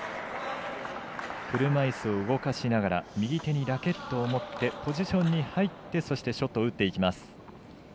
車いすを動かしながら右手にラケットを持ってポジションに入ってショットを打っていきます。